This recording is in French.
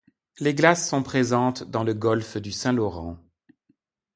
Les glaces sont présentes dans le golfe du Saint-Laurent.